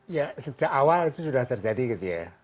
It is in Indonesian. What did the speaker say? ya sejak awal itu sudah terjadi gitu ya